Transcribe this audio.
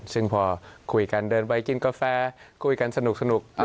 ซึ่งพอคุยกันเดินไปกินกาแฟคุยกันสนุก